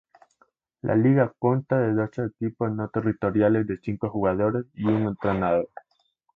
La liga consta de doce equipos no territoriales de cinco jugadores y un entrenador.